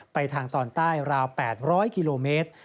ไปทางตอนใต้ราว๘๐๐กิโลเมตร